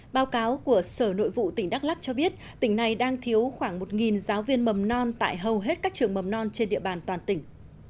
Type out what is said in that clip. báo cáo của sở nội vụ tỉnh đắk lắc cho biết tỉnh này đang thiếu khoảng một giáo viên mầm non tại hầu hết các trường mầm non trên địa bàn toàn tỉnh